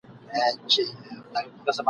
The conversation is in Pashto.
نه یوه ګوله مړۍ کړه چا وروړاندي ..